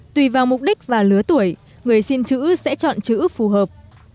tùy vào mục đích và lứa tuổi người xin chữ sẽ chọn chữ phù hợp